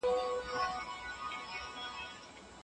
ماشومان تر پنځو کلونو پورې څارل کېږي.